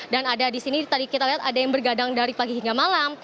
dan ada di sini tadi kita lihat ada yang bergadang dari pagi hingga malam